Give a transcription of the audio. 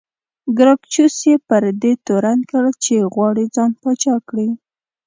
ګراکچوس یې پر دې تورن کړ چې غواړي ځان پاچا کړي